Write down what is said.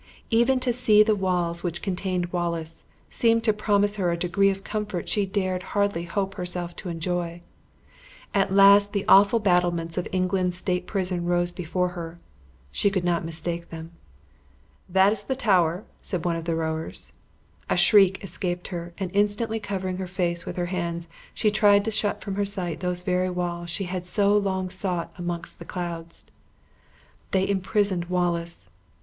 Even to see the walls which contained Wallace, seemed to promise her a degree of comfort she dared hardly hope herself to enjoy. At last the awful battlements of England's state prison rose before her. She could not mistake them. "That is the Tower," said one of the rowers. A shriek escaped her, and instantly covering her face with her hands, she tried to shut from her sight those very walls she had so long sought amongst the clouds. They imprisoned Wallace!